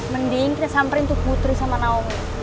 mending kita samperin tuh putri sama naoming